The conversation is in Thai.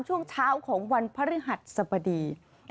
ช่วงเช้าของวันพฤหัสสบดี